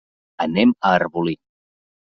Anem a Arbolí.